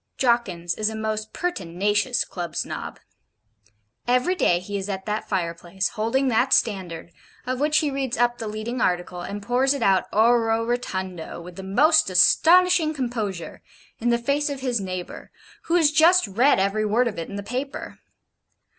Jawkins is a most pertinacious Club Snob. Every day he is at that fireplace, holding that STANDARD, of which he reads up the leading article, and pours it out ORE ROTUNDO, with the most astonishing composure, in the face of his neighbour, who has just read every word of it in the paper.